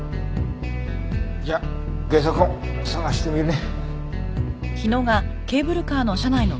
じゃあゲソ痕捜してみるね。